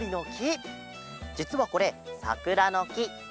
じつはこれさくらのき。